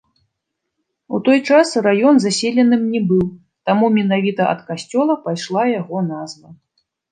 У той час раён заселеным не быў, таму менавіта ад касцёла пайшла яго назва.